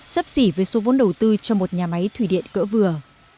sấp xỉ với số vốn đầu tư cho một nhà máy thủy điện cỡ vừa